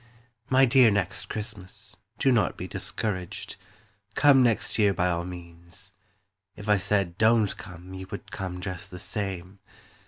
My dear Next Christmas, Do not be discouraged, Come next year by all means; If I said "Don't come" You would come just the same.